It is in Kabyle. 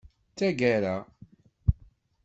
D tagara.